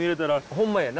ほんまやな。